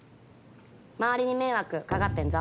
周りに迷惑掛かってんぞ。